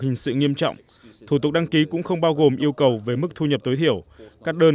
hình sự nghiêm trọng thủ tục đăng ký cũng không bao gồm yêu cầu về mức thu nhập tối thiểu các đơn